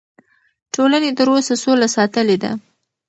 ټولنې تر اوسه سوله ساتلې ده.